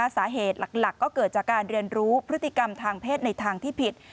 สาเหตุหลักก็เกิดจากการเรียนรู้พฤติกรรมทางเพศในทางที่ผิด